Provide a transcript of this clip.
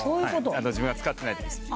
自分が使ってない時です。